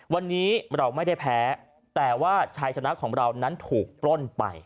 วันนี้เราไม่ได้แพ้แต่ว่าชายชนะของเรานั้นถูกปล้นไป